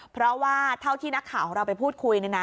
เพราะว่าเท่าที่นักข่าวของเราไปพูดคุย